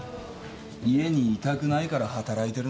家にいたくないから働いてるんですよ。